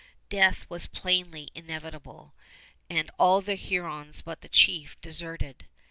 Death was plainly inevitable, and all the Hurons but the chief deserted.